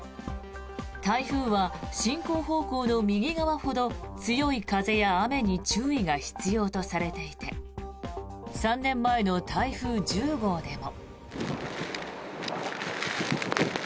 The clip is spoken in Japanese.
台風は進行方向の右側ほど強い風や雨に注意が必要とされていて３年前の台風１０号でも。